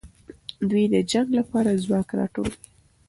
دوی د جنګ لپاره ځواک راټولوي.